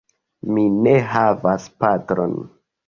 Mi ne havas patron.